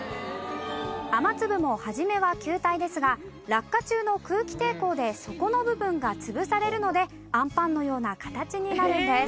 雨粒も初めは球体ですが落下中の空気抵抗で底の部分が潰されるのであんぱんのような形になるんです。